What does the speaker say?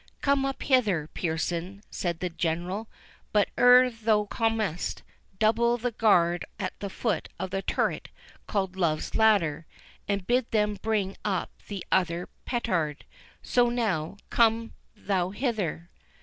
"Come up hither, Pearson," said the General; "but ere thou comest, double the guard at the foot of the turret called Love's Ladder, and bid them bring up the other petard—So now, come thou hither."